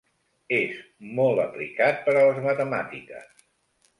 És molt aplicat per a les matemàtiques.